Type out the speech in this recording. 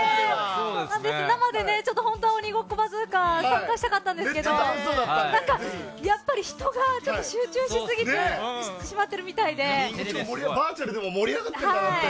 生で本当は「鬼ごっこバズーカ」参加したかったですけどやっぱり人が集中しすぎてしまっているバーチャルでも盛り上がってるんだなって。